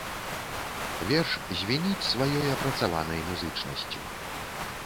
Верш звініць сваёй апрацаванай музычнасцю.